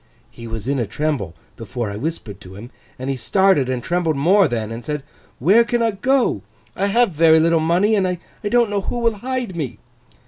He was in a tremble before I whispered to him, and he started and trembled more then, and said, "Where can I go? I have very little money, and I don't know who will hide me!"